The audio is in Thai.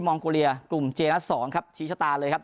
มองโกเลียกลุ่มเจนัดสองครับชี้ชะตาเลยครับ